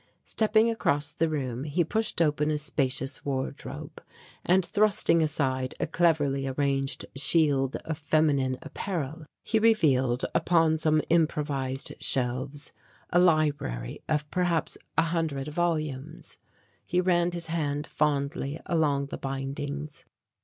Stepping across the room he pushed open a spacious wardrobe, and thrusting aside a cleverly arranged shield of feminine apparel he revealed, upon some improvised shelves, a library of perhaps a hundred volumes. He ran his hand fondly along the bindings.